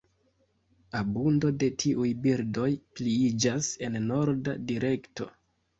Abundo de tiuj birdoj pliiĝas en norda direkto.